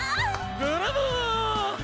ブラボー！